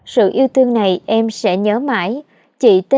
sự yêu thương này em sẽ nhớ mãi